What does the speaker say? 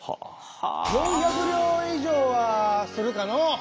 ４００両以上はするかの。